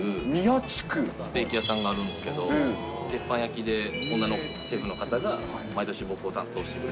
ステーキ屋さんがあるんですけど、鉄板焼きで女のシェフの方が毎年僕を担当してくれる。